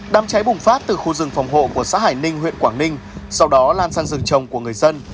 đám cháy bùng phát từ khu rừng phòng hộ của xã hải ninh huyện quảng ninh sau đó lan sang rừng trồng của người dân